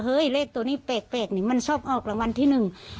เฮ้ยเลขตัวนี้เปรกนี่มันชอบเอากลางวันที่หนึ่ง